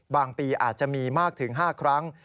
ปีอาจจะมีมากถึง๕ครั้ง